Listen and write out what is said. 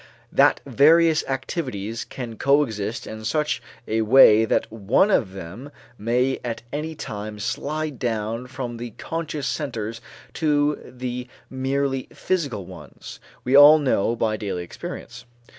That various activities can coexist in such a way that one of them may at any time slide down from the conscious centers to the merely physical ones, we all know by daily experience.